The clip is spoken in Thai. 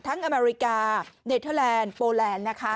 ทั้งอเมริกาเนเทอร์แลนด์โปแลนด์